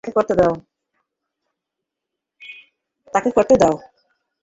তাকে করতে দাও।